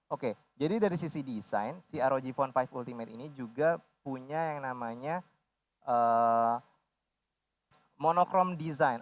oke jadi dari sisi desain si rog phone lima ultimate ini juga punya yang namanya monochrome design